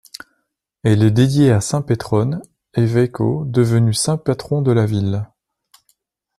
Elle est dédiée à saint Pétrone, évêque au devenu saint patron de la ville.